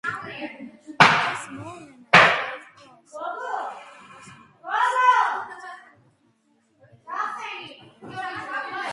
ამ მოვლენით დაიწყო ოსმალეთის იმპერიის ხანგრძლივი დაკნინების პერიოდი.